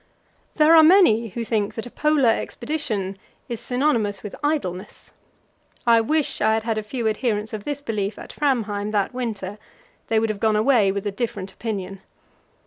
There are many who think that a Polar expedition is synonymous with idleness. I wish I had had a few adherents of this belief at Framheim that winter; they would have gone away with a different opinion.